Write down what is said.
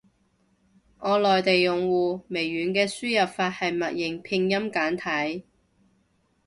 我內地用戶，微軟嘅輸入法係默認拼音簡體。